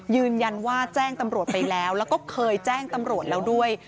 แจ้งตำรวจไปแล้วแล้วก็เคยแจ้งตำรวจแล้วด้วย